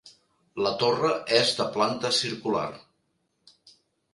La torre és de planta circular.